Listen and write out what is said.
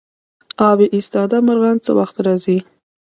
اب ایستاده مرغان څه وخت راځي؟